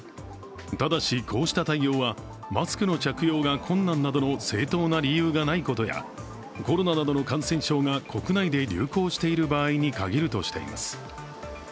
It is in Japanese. ただし、こうした対応はマスクの着用が困難などの正当な理由がないことやコロナなどの感染症が国内で流行している場合に限るとしています。